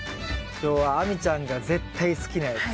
今日は亜美ちゃんが絶対好きなやつ。